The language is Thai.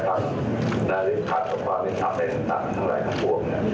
และหรือขาดต่อความผิดคำเป็นทั้งหลายครับพวกเนี่ย